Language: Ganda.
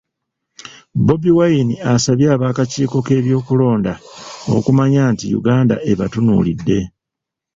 Bobi Wine asabye ab'akakiiko k'ebyokulonda okumanya nti Uganda ebatunuulidde